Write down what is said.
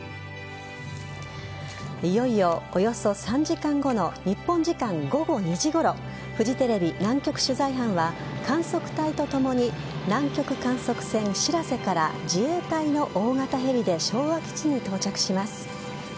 いよいよ、およそ３時間後の日本時間午後２時ごろフジテレビ南極取材班は観測隊とともに南極観測船「しらせ」から自衛隊の大型ヘリで昭和基地に到着します。